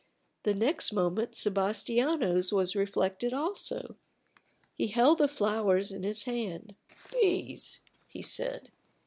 The next moment Sebastiano's was reflected also. He held the flowers in his hand. "These!" he said.